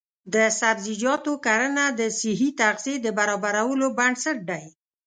د سبزیجاتو کرنه د صحي تغذیې د برابرولو بنسټ دی.